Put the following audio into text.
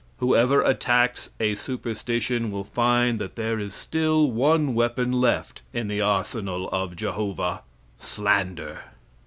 Whoever attacks a superstition will find that there is still one weapon left in the arsenal of Jehovah slander.